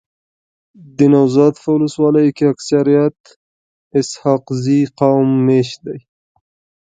دنوزاد په ولسوالۍ کي اکثريت اسحق زی قوم میشت دی.